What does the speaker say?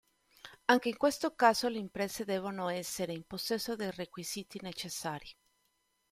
Anche in questo caso le imprese devono essere in possesso dei requisiti necessari.